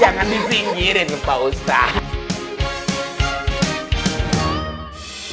jangan disingkirin pak ustaz